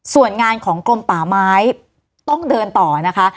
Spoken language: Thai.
ส่วนงานของกรมป่าไม้ต้องเดินต่อนะคะ